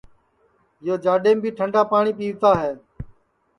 یو جاڈؔیم بی ٹھنٚڈا پاٹؔی پیوتا ہے